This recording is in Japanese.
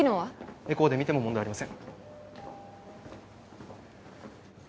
エコーで見ても問題ありません